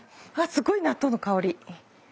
すごい納豆の香り。